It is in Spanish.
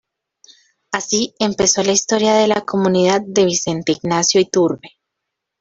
Así empezó la historia de la comunidad de Vicente Ignacio Iturbe.